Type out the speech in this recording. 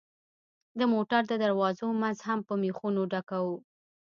د موټر د دروازو منځ هم په مېخونو ډکوو.